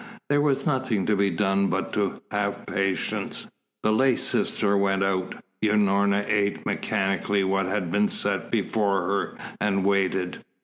There was nothing to be done but to have patience. The lay sister went out. Unorna ate mechanically what had been set before her and waited.